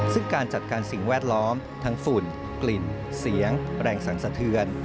ซึ่งการจัดการสิ่งแวดล้อมทั้งฝุ่นกลิ่นเสียงแรงสรรสะเทือน